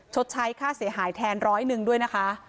ชดใช้ค่าเสียหายแทนร้อยหนึ่งด้วยนะคะ